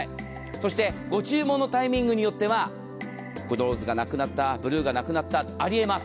そしてご注文のタイミングによってはローズがなくなったブルーがなくなったありえます。